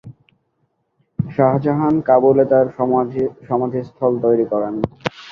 শাহজাহান কাবুল এ তার সমাধিস্থল তৈরি করেন।